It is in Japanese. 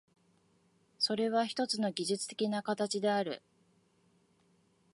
それはひとつの技術的な形である。